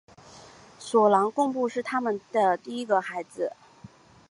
索朗贡布是他们的第一个孩子。